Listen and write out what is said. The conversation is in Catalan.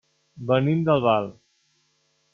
Venim d'Albal.